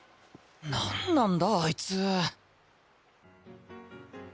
何なんだあいつ？